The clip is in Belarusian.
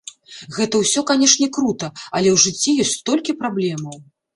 Гэта ўсё, канешне, крута, але ў жыцці ёсць столькі праблемаў!